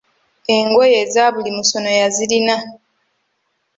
Engoye ezabuli musono yazirina.